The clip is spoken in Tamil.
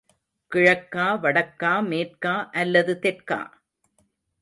கிழக்கா, வடக்கா, மேற்கா அல்லது தெற்கா?